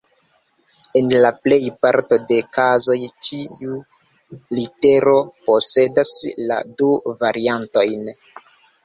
En la plej parto de kazoj, ĉiu litero posedas la du variantojn.